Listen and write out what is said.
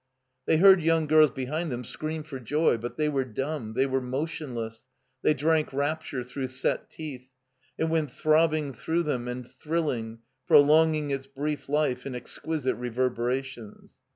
They heard yoimg girls behind them scream for joy; but they were dumb, they were motionless; they drank rapture through set teeth; it went throb bing through them and thrilling, prolonging its brief life in exquisite reverberations.